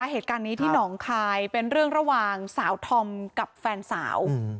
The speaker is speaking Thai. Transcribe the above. เหตุการณ์นี้ที่หนองคายเป็นเรื่องระหว่างสาวธอมกับแฟนสาว